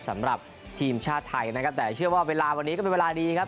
สำหรับทีมชาติไทยนะครับแต่เชื่อว่าเวลาวันนี้ก็เป็นเวลาดีครับ